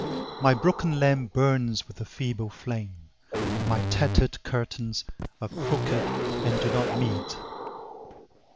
My broken lamp burns with a feeble flame; My tattered curtains are crooked and do not meet.